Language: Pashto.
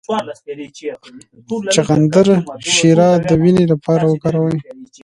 د چغندر شیره د وینې لپاره وکاروئ